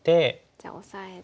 じゃあオサえて。